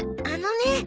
あのね